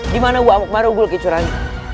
di mana wak mukmarugul kicuraling